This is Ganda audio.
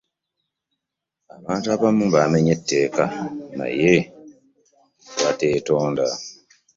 Abantu abamu bamenya etteeka naye ne batetonda.